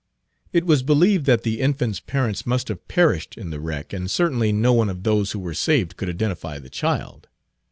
It was believed that the infant's parents must have perished in the wreck, and certainly no one of those who were saved could identify the child.